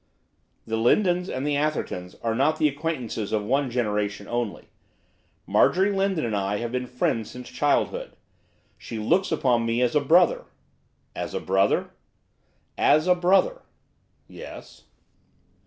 'The Lindons and the Athertons are not the acquaintances of one generation only. Marjorie Lindon and I have been friends since childhood. She looks upon me as a brother ' 'As a brother?' 'As a brother.' 'Yes.